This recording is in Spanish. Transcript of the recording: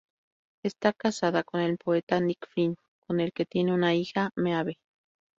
Está casada con el poeta Nick Flynn, con el que tiene una hija, Maeve.